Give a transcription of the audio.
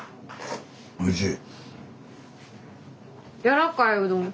おいしい。